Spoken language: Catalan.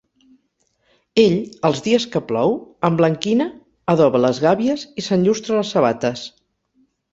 Ell, els dies que plou, emblanquina, adoba les gàbies i s’enllustra les sabates.